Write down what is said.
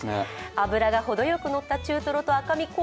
脂がほどよくのった中トロと赤身